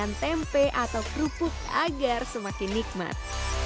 jangan lupa menambahkan tempe atau kerupuk agar semakin nikmat